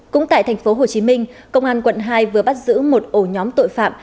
cũng tại thành phố hồ chí minh công an quận hai vừa bắt giữ một ổ nhóm tội phạm